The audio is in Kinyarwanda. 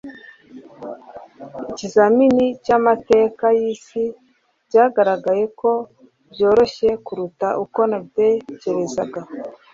ikizamini cyamateka yisi byagaragaye ko byoroshye kuruta uko nabitekerezaga